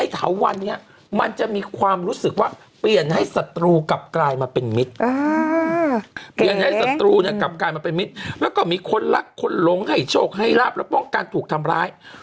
เพียงให้ศัตรูกำกายมาเป็นมิตรแล้วก็มีคนรักคนหลงให้โชคให้รับและป้องกันว่าถูกทำร้าย